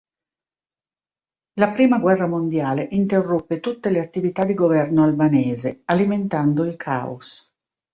La Prima guerra mondiale interruppe tutte le attività di governo albanese, alimentando il caos.